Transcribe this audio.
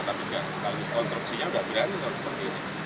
tapi konstruksinya sudah berani kalau seperti ini